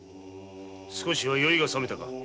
少しは酔いがさめたか。